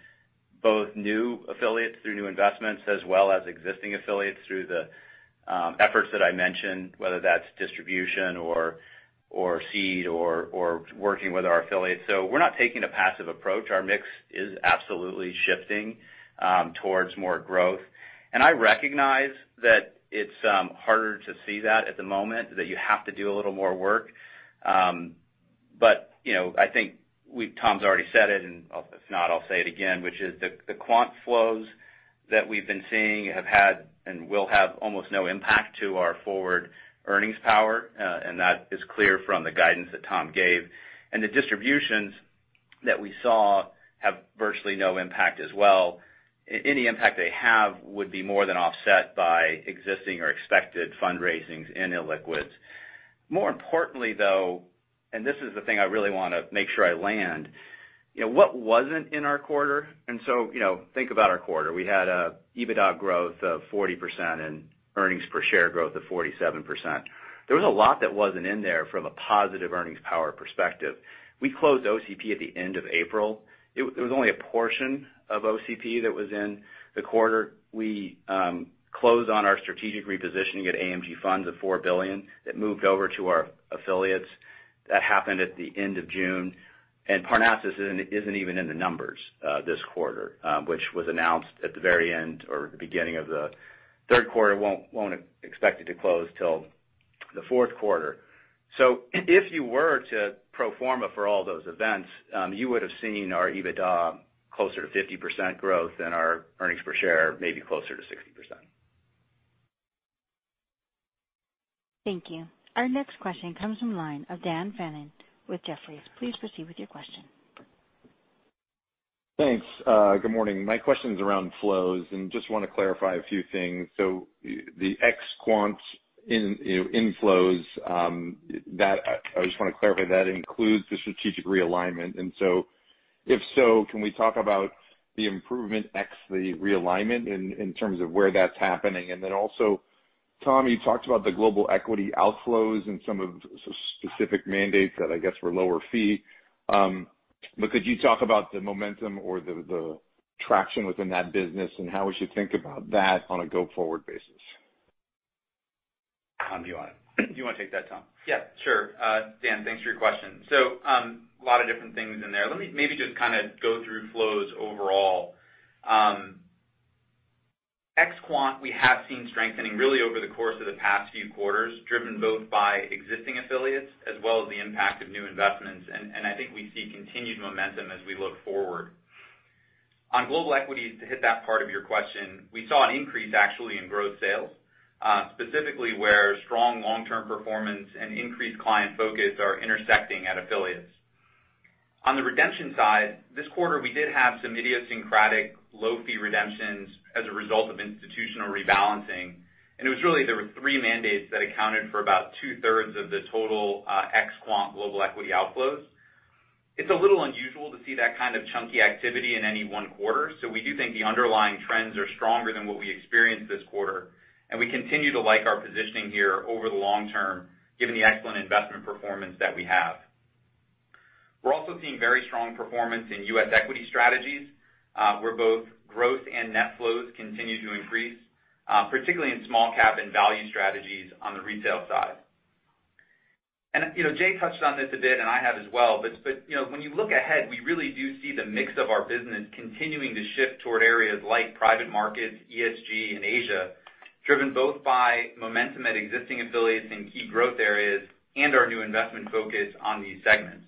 both new affiliates through new investments, as well as existing affiliates through the efforts that I mentioned, whether that's distribution or seed or working with our affiliates. We're not taking a passive approach. Our mix is absolutely shifting towards more growth. I recognize that it's harder to see that at the moment, that you have to do a little more work. I think Tom's already said it, and if not, I'll say it again, which is the quant flows that we've been seeing have had and will have almost no impact to our forward earnings power. That is clear from the guidance that Tom gave. The distributions that we saw have virtually no impact as well. Any impact they have would be more than offset by existing or expected fundraisings in illiquids. More importantly, though, this is the thing I really want to make sure I land. What wasn't in our quarter, think about our quarter. We had an EBITDA growth of 40% and earnings per share growth of 47%. There was a lot that wasn't in there from a positive earnings power perspective. We closed OCP at the end of April. It was only a portion of OCP that was in the quarter. We closed on our strategic repositioning at AMG Funds of $4 billion that moved over to our affiliates. That happened at the end of June. Parnassus isn't even in the numbers this quarter, which was announced at the very end or the beginning of the third quarter. Won't expect it to close till the fourth quarter. If you were to pro forma for all those events, you would've seen our EBITDA closer to 50% growth and our earnings per share maybe closer to 60%. Thank you. Our next question comes from line of Dan Fannon with Jefferies. Please proceed with your question. Thanks. Good morning. My question's around flows, and just want to clarify a few things. The ex quant inflows, I just want to clarify that includes the strategic realignment. If so, can we talk about the improvement ex the realignment in terms of where that's happening? Also, Tom, you talked about the global equity outflows and some of specific mandates that I guess were lower fee. Could you talk about the momentum or the traction within that business and how we should think about that on a go-forward basis? Tom, do you want to take that, Tom? Yeah, sure. Dan, thanks for your question. A lot of different things in there. Let me maybe just go through flows overall. ex quant we have seen strengthening really over the course of the past few quarters, driven both by existing affiliates as well as the impact of new investments. I think we see continued momentum as we look forward. On global equities, to hit that part of your question, we saw an increase actually in growth sales, specifically where strong long-term performance and increased client focus are intersecting at affiliates. On the redemption side, this quarter, we did have some idiosyncratic low-fee redemptions as a result of institutional rebalancing, and it was really there were three mandates that accounted for about two-thirds of the total ex quant global equity outflows. It's a little unusual to see that kind of chunky activity in any one quarter, so we do think the underlying trends are stronger than what we experienced this quarter, and we continue to like our positioning here over the long term, given the excellent investment performance that we have. We're also seeing very strong performance in U.S. equity strategies, where both growth and net flows continue to increase, particularly in small cap and value strategies on the retail side. Jay touched on this a bit, and I have as well, but when you look ahead, we really do see the mix of our business continuing to shift toward areas like private markets, ESG, and Asia, driven both by momentum at existing affiliates in key growth areas and our new investment focus on these segments.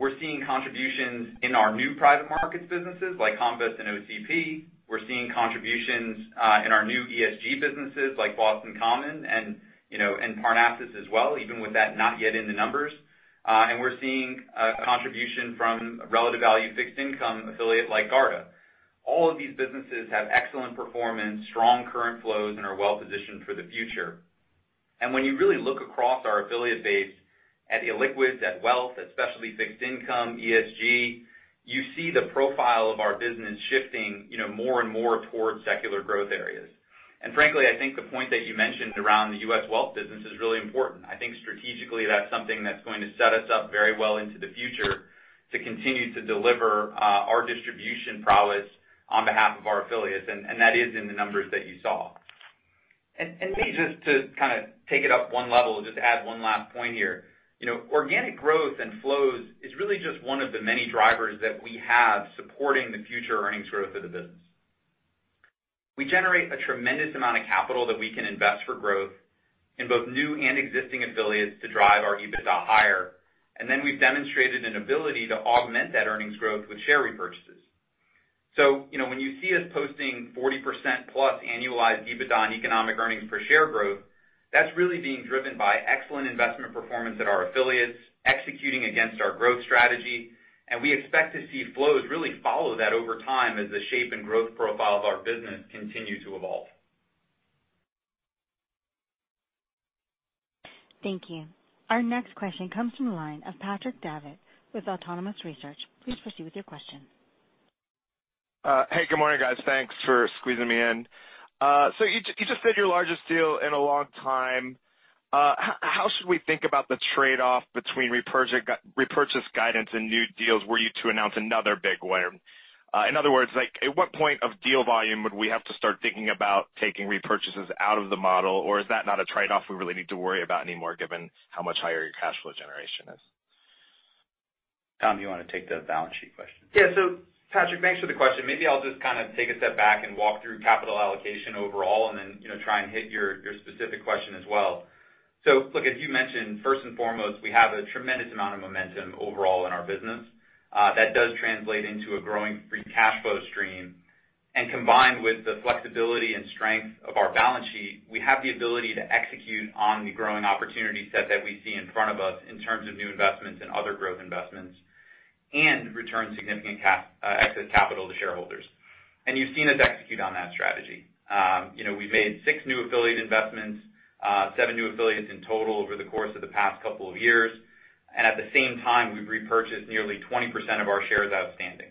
We're seeing contributions in our new private markets businesses like Comvest and OCP. We're seeing contributions in our new ESG businesses like Boston Common and Parnassus as well, even with that not yet in the numbers. We're seeing a contribution from a relative value fixed income affiliate like Garda. All of these businesses have excellent performance, strong current flows, and are well positioned for the future. When you really look across our affiliate base at illiquids, at wealth, at specialty fixed income, ESG, you see the profile of our business shifting more and more towards secular growth areas. Frankly, I think the point that you mentioned around the U.S. wealth business is really important. I think strategically, that's something that's going to set us up very well into the future to continue to deliver our distribution prowess on behalf of our affiliates. That is in the numbers that you saw. Maybe just to take it up one level, just add one last point here. Organic growth and flows is really just one of the many drivers that we have supporting the future earnings growth of the business. We generate a tremendous amount of capital that we can invest for growth in both new and existing affiliates to drive our EBITDA higher. We've demonstrated an ability to augment that earnings growth with share repurchases. When you see us posting 40%+ annualized EBITDA and economic earnings per share growth, that's really being driven by excellent investment performance at our affiliates, executing against our growth strategy, and we expect to see flows really follow that over time as the shape and growth profile of our business continue to evolve. Thank you. Our next question comes from the line of Patrick Davitt with Autonomous Research. Please proceed with your question. Hey, good morning, guys. Thanks for squeezing me in. You just did your largest deal in a long time. How should we think about the trade-off between repurchase guidance and new deals were you to announce another big winner? In other words, at what point of deal volume would we have to start thinking about taking repurchases out of the model? Is that not a trade-off we really need to worry about anymore given how much higher your cash flow generation is? Tom, do you want to take the balance sheet question? Yeah. Patrick, thanks for the question. Maybe I'll just kind of take a step back and walk through capital allocation overall and then try and hit your specific question as well. Look, as you mentioned, first and foremost, we have a tremendous amount of momentum overall in our business. That does translate into a growing free cash flow stream. Combined with the flexibility and strength of our balance sheet, we have the ability to execute on the growing opportunity set that we see in front of us in terms of new investments and other growth investments and return significant excess capital to shareholders. You've seen us execute on that strategy. We've made six new affiliate investments, seven new affiliates in total over the course of the past couple of years. At the same time, we've repurchased nearly 20% of our shares outstanding.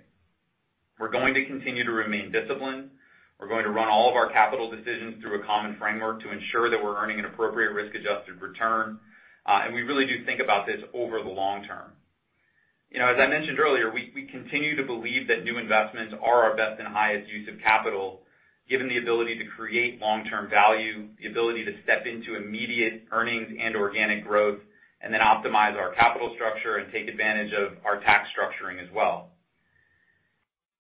We're going to continue to remain disciplined. We're going to run all of our capital decisions through a common framework to ensure that we're earning an appropriate risk-adjusted return. We really do think about this over the long term. As I mentioned earlier, we continue to believe that new investments are our best and highest use of capital, given the ability to create long-term value, the ability to step into immediate earnings and organic growth, and then optimize our capital structure and take advantage of our tax structuring as well.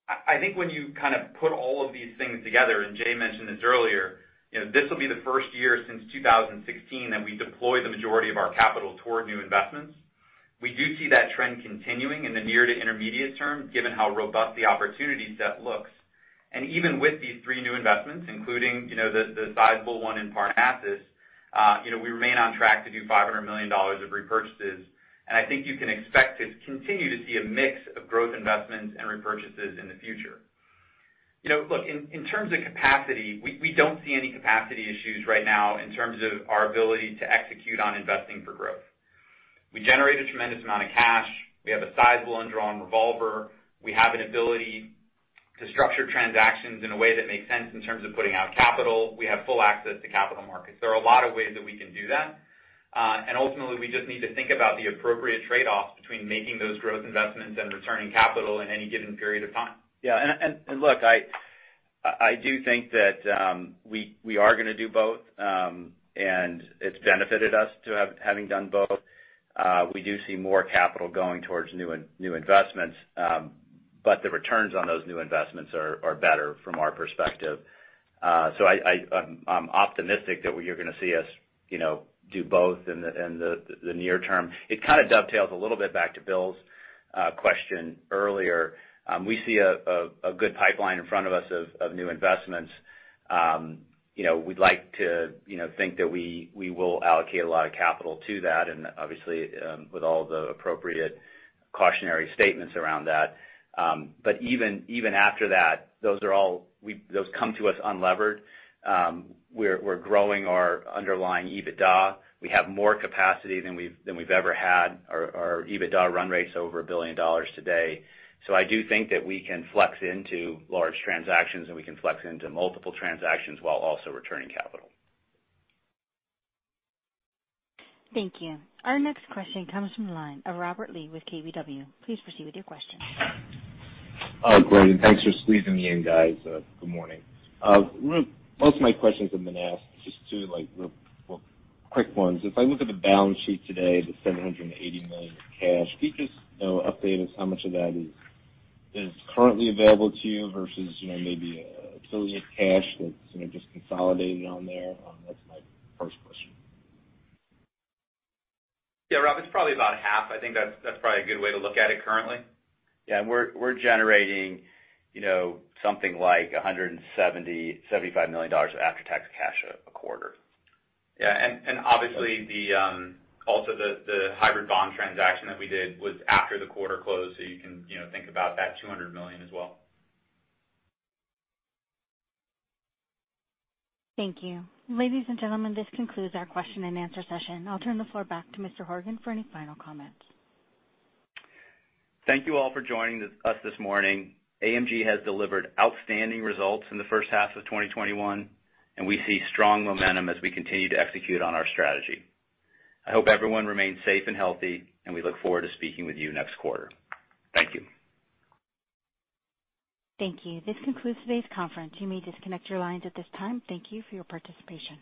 I think when you kind of put all of these things together, and Jay mentioned this earlier, this will be the first year since 2016 that we deploy the majority of our capital toward new investments. We do see that trend continuing in the near to intermediate term, given how robust the opportunity set looks. Even with these three new investments, including the sizable one in Parnassus, we remain on track to do $500 million of repurchases. I think you can expect to continue to see a mix of growth investments and repurchases in the future. Look, in terms of capacity, we don't see any capacity issues right now in terms of our ability to execute on investing for growth. We generate a tremendous amount of cash. We have a sizable undrawn revolver. We have an ability to structure transactions in a way that makes sense in terms of putting out capital. We have full access to capital markets. There are a lot of ways that we can do that. Ultimately, we just need to think about the appropriate trade-offs between making those growth investments and returning capital in any given period of time. Yeah. Look, I do think that we are going to do both. It's benefited us to having done both. We do see more capital going towards new investments, but the returns on those new investments are better from our perspective. I'm optimistic that you're going to see us do both in the near term. It kind of dovetails a little bit back to Bill's question earlier. We see a good pipeline in front of us of new investments. We'd like to think that we will allocate a lot of capital to that, and obviously, with all the appropriate cautionary statements around that. Even after that, those come to us unlevered. We're growing our underlying EBITDA. We have more capacity than we've ever had. Our EBITDA run rate's over $1 billion today. I do think that we can flex into large transactions, and we can flex into multiple transactions while also returning capital. Thank you. Our next question comes from the line of Robert Lee with KBW. Please proceed with your question. Great. Thanks for squeezing me in, guys. Good morning. Most of my questions have been asked, just two quick ones. If I look at the balance sheet today, the $780 million of cash, can you just update us how much of that is currently available to you versus maybe affiliate cash that's just consolidated on there? That's my first question. Yeah, Rob, it's probably about half. I think that's probably a good way to look at it currently. Yeah. We're generating something like $170 million, $175 million of after-tax cash a quarter. Yeah. Obviously also the hybrid bond transaction that we did was after the quarter closed, you can think about that $200 million as well. Thank you. Ladies and gentlemen, this concludes our question and answer session. I'll turn the floor back to Mr. Horgen for any final comments. Thank you all for joining us this morning. AMG has delivered outstanding results in the first half of 2021, and we see strong momentum as we continue to execute on our strategy. I hope everyone remains safe and healthy, and we look forward to speaking with you next quarter. Thank you. Thank you. This concludes today's conference. You may disconnect your lines at this time. Thank you for your participation.